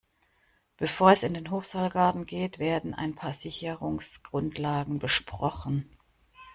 Bevor es in den Hochseilgarten geht, werden ein paar Sicherungsgrundlagen besprochen.